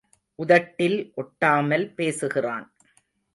உதட்டில் ஒட்டாமல் பேசுகிறான்.